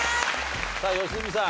さあ良純さん